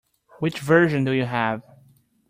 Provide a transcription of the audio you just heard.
Which version do you have?